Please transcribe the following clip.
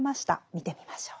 見てみましょう。